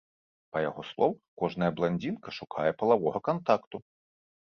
Па яго словах, кожная бландзінка шукае палавога кантакту.